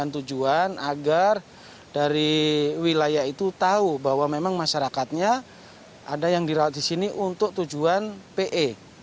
tujuan agar dari wilayah itu tahu bahwa memang masyarakatnya ada yang dirawat di sini untuk tujuan pe